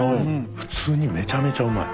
普通にめちゃめちゃうまい。